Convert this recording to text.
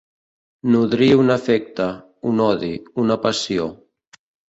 Nodrir un afecte, un odi, una passió.